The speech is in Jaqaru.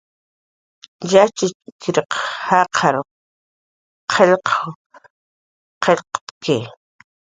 Yatxchiriq jaqar qillq qillqt'ki